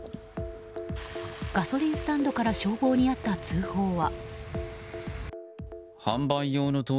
ガソリンスタンドから消防にあった通報は。